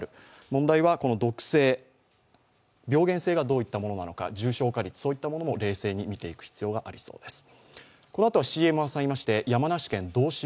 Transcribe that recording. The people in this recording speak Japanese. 問題は毒性、病原性がどういったものなのか重症化率、そういったものも冷静に見ていく必要がありそうです。